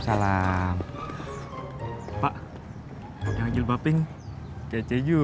kalau buang sampah bertempanya